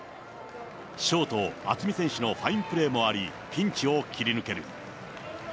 ショート、渥美選手のファインプレーもあり、ピンチを切り抜ける。